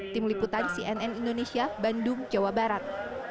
tim liputan cnn indonesia bandung jawa barat